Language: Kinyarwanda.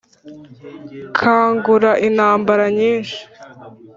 kangura intambara nyinshi